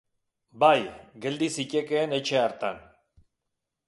Bai, geldi zitekeen etxe hartan.